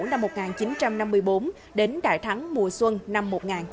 năm một nghìn chín trăm năm mươi bốn đến đại thắng mùa xuân năm một nghìn chín trăm bảy mươi năm